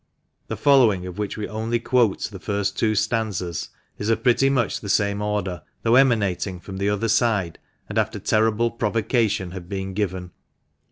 The following, of which we only quote the first two stanzas, is of pretty much the same order, though emanating from the other side, and after terrible provocation had been given :— 194 THE MANCHESTER MAN.